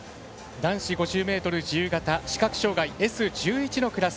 男子５０ｍ自由形視覚障がいＳ１１のクラス。